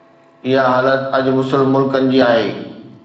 اها حالت اڄ مسلم ملڪن جي آهي